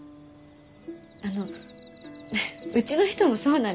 あのフッうちの人もそうなんです。